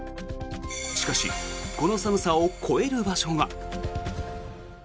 しかしこの寒さを超える場所が。